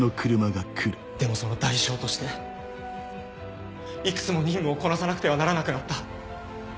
でもその代償としていくつも任務をこなさなくてはならなくなった。